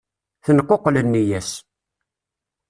Tenquqel nneyya-s.